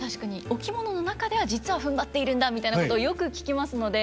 「お着物の中では実はふんばっているんだ」みたいなことをよく聞きますので。